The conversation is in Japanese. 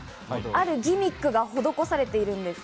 あるギミックが施されているんです。